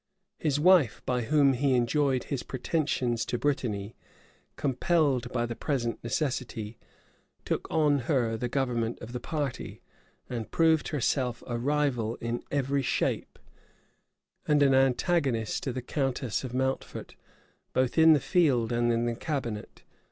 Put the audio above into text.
[] His wife, by whom he enjoyed his pretensions to Brittany, compelled by the present necessity, took on her the government of the party, and proved herself a rival in every shape, and an antagonist to the countess of Mountfort, both in the field and in the cabinet.